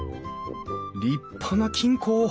立派な金庫。